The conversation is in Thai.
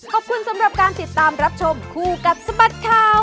ขอบคุณสำหรับการติดตามรับชมคู่กับสบัดข่าว